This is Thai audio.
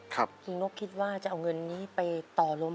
คัดที่สุดในโลก